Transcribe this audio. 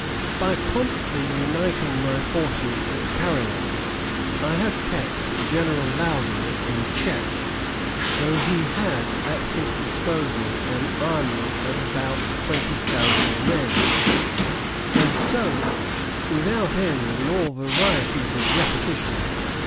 "By promptly uniting my forces at Carillon, I have kept General Loudon in check, though he had at his disposal an army of about twenty thousand men;" and so without end, in all varieties of repetition.